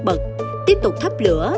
bật tiếp tục thắp lửa